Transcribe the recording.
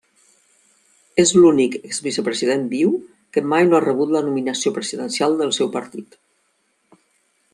És l'únic exvicepresident viu que mai no ha rebut la nominació presidencial del seu partit.